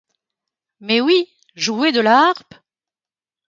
Mais oui, jouer de la harpe !